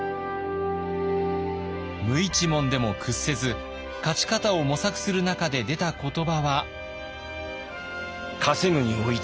無一文でも屈せず勝ち方を模索する中で出た言葉は。